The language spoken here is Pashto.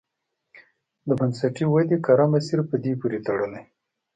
د بنسټي ودې کره مسیر په دې پورې تړلی.